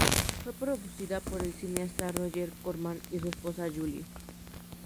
Fue producida por el cineasta Roger Corman y su esposa Julie.